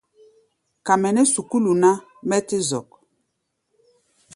Ka mɛ nɛ́ sukúlu ná, mɛ́ tɛ́ zɔk.